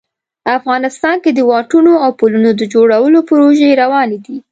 افغانستان کې د واټونو او پلونو د جوړولو پروژې روانې دي